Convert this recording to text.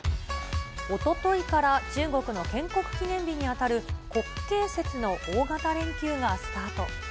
おとといから中国の建国記念日に当たる国慶節の大型連休がスタート。